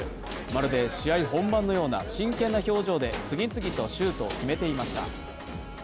まるで試合本番のような真剣な表情で次々とシュートを決めていました。